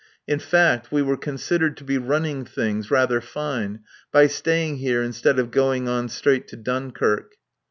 In fact, we were considered to be running things rather fine by staying here instead of going on straight to Dunkirk.